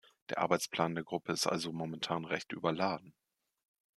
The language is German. Der Arbeitsplan der Gruppe ist also momentan recht überladen.